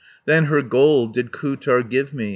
"Then her gold did Kuutar give me.